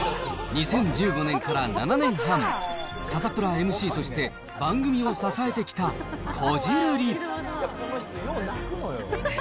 ２０１５年から７年半、サタプラＭＣとして番組を支えてきたこじるり。